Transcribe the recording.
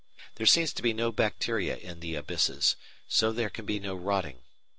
There seems to be no bacteria in the abysses, so there can be no rotting.